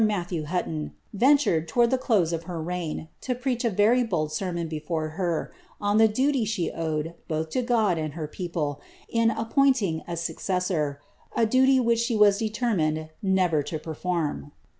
Matthew Hutton, ventured, towards the close of her reign, to preach a very bold sermon befcve her, on the duty she owed, both to God and her people, in ap pointing e successor— a duty which she was determined never to per form.